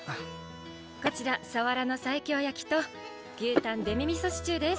こちら鰆の西京焼きと牛タンデミ味噌シチューです。